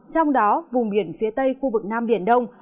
trong đó vùng biển phía tây khu vực nam biển đông